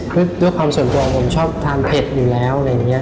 เพราะว่าความส่วนตัวผมชอบตามเผ็ดอยู่แล้ว